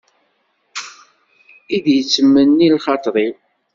I d-yettmenni lxaṭer-iw.